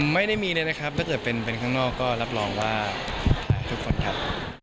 ไม่ได้มีเลยนะครับถ้าเกิดเป็นข้างนอกก็รับรองว่าทุกคนครับ